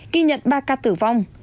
khi nhận ba ca tử vong